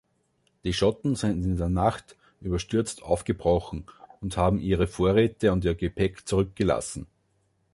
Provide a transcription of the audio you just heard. Die Schotten sind in der Nacht überstürzt aufgebrochen und haben ihre Vorräte und ihr Gepäck zurückgelassen.